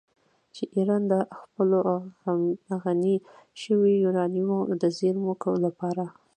چې ایران د خپلو غني شویو یورانیمو د زیرمو لپاره